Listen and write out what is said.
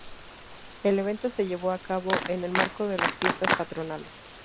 El evento se llevó a cabo en el marco de las fiestas patronales.